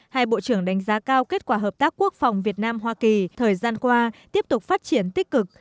hai bộ trưởng đánh giá cao kết quả hợp tác quốc phòng việt nam hoa kỳ thời gian qua tiếp tục phát triển tích cực